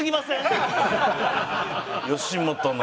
吉本の。